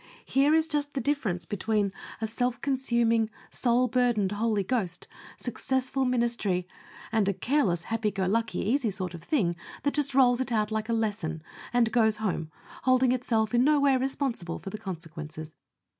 Here is just the difference between a self consuming, soul burdened, Holy Ghost, successful ministry, and a careless, happy go lucky, easy sort of thing, that just rolls it out like a lesson, and goes home, holding itself in no way responsible for the consequences.